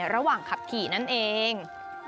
ระหว่างขับขี่นั่นเอง